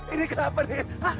ini kenapa nih